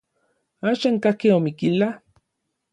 ¿Axan kajki Omiquila?